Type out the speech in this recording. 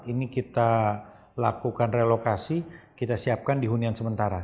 ini kita lakukan relokasi kita siapkan di hunian sementara